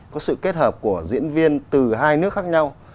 có sự kết hợp của diễn viên từ hai nước khác nhau